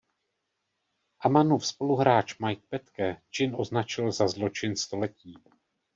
Ammannův spoluhráč Mike Petke čin označil za „Zločin století“.